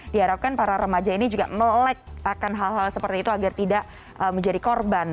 diharapkan para remaja ini juga melek akan hal hal seperti itu agar tidak menjadi korban